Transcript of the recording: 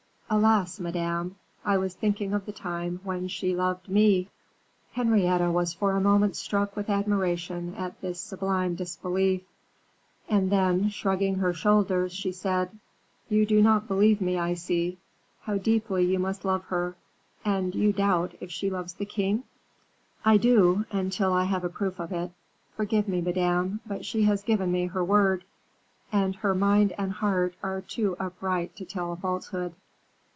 "Alas, Madame, I was thinking of the time when she loved me." Henrietta was for a moment struck with admiration at this sublime disbelief: and then, shrugging her shoulders, she said, "You do not believe me, I see. How deeply you must love her. And you doubt if she loves the king?" "I do, until I have a proof of it. Forgive me, Madame, but she has given me her word; and her mind and heart are too upright to tell a falsehood."